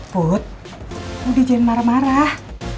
put lo di jangan marah marah